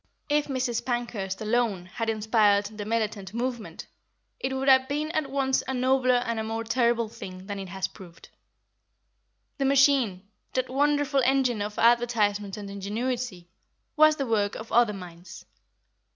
If Mrs. Pankhurst alone had inspired the militant movement, it would have been at once a nobler and a more terrible thing than it has proved. The machine, that wonderful engine of advertisement and ingenuity, was the work of other minds.